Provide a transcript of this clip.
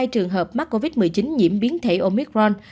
hai trường hợp mắc covid một mươi chín nhiễm biến thể omicron